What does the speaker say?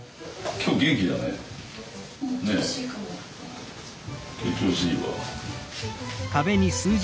今日調子いいわ。